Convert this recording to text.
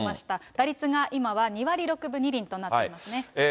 打率が今は２割６分２厘となっていますね。